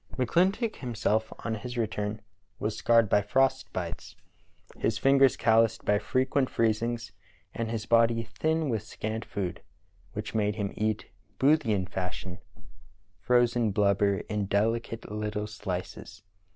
McCHntock himself, on his return, was scarred by frost bites, his fingers calloused by frequent freezings, and his body thin with scant food, which made him eat, Boothian fashion, "frozen blubber in delicate little slices."